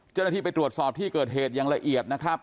เจ้าหน้าที่ไปตรวจสอบที่เกิดเหตุอย่างละเอียดนะครับ